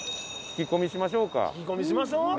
聞き込みしましょう。